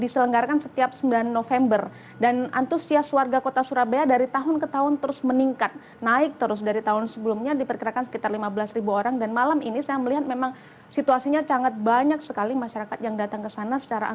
selamat malam eka